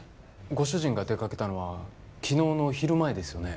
ご主人が出かけたのは昨日の昼前ですよね？